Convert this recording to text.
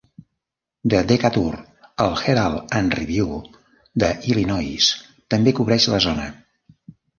The Decatur, el "Herald and Review" de Illinois també cobreix la zona.